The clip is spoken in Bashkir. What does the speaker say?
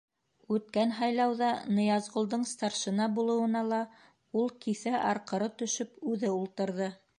Үткән һайлауҙа Ныязғолдоң старшина булыуына ла ул киҫә арҡыры төшөп үҙе ултырҙы.